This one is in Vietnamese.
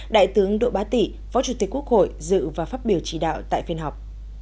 đại tướng độ bá tỷ phó chủ tịch quốc hội dự và phát biểu chỉ đạo tại phiên họp